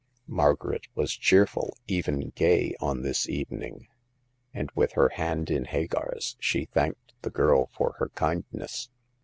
Margaret was cheerful, even gay, on this evening ; and with her hand in Hagar's she thanked the girl for her kindness.